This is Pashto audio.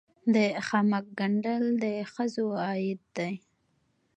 د خامک ګنډل د ښځو عاید دی